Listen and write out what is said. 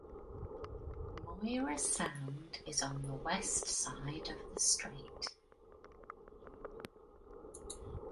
Moira Sound is on the west side of the strait.